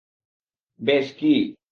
বেশ, কী?